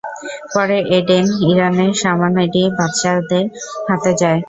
পরে এডেন ইরানের সামানিডি বাদশাদের হাতে যায়।